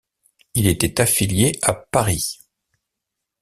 Il était affilié à Paris.